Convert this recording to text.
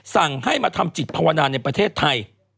สั่งให้มาทำจิตภาวนาในประเทศไทย